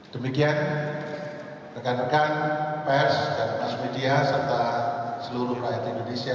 demikian rekan rekan pers dan mas media serta seluruh rakyat indonesia